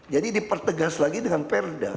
jadi dipertegas lagi dengan perda